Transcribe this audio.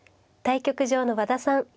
対局場の和田さん